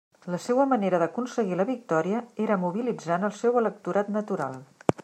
La seua manera d'aconseguir la victòria era mobilitzant el seu electorat natural.